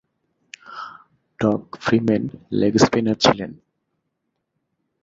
Dog Freeman leg spinner ছিলেন।